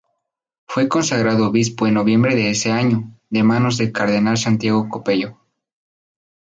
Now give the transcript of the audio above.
Fue consagrado obispo en noviembre de ese año, de manos del cardenal Santiago Copello.